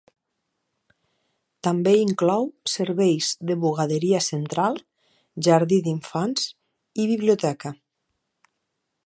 També inclou serveis de bugaderia central, jardí d'infants i biblioteca.